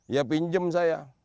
ya pinjam saya